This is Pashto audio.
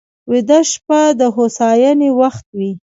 ویده شپه د هوساینې وخت وي